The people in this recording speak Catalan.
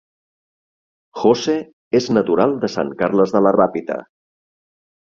Jose és natural de Sant Carles de la Ràpita